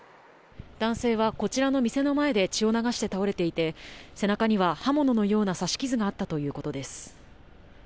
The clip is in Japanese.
男性はこちらの店の前で血を流して倒れていて、背中には刃物のような刺し傷があったということです。